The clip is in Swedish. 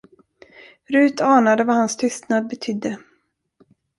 Rut anade vad hans tystnad betydde.